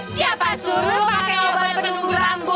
siapa suruh pakai obat penumbu rambut